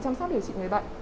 chăm sóc điều trị người bệnh